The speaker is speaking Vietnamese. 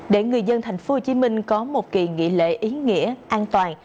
để người dân tp hcm có một kỳ nghỉ lễ ý nghĩa an toàn